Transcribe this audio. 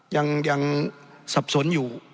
ยังสับสนอยู่